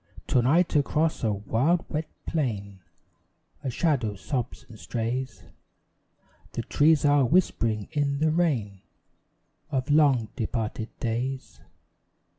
To night across a wild wet plain A shadow sobs and strays; The trees are whispering in the rain Of long departed days.